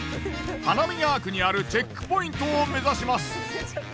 花見川区にあるチェックポイントを目指します。